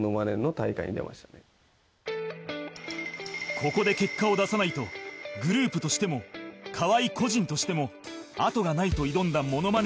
ここで結果を出さないとグループとしても河合個人としてもあとがないと挑んだモノマネ